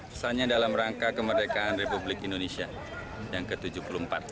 pesannya dalam rangka kemerdekaan republik indonesia yang ke tujuh puluh empat